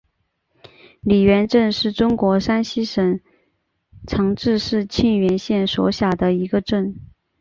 李元镇是中国山西省长治市沁源县所辖的一个镇。